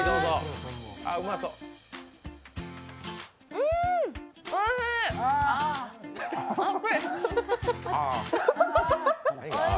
うーん、おいしい。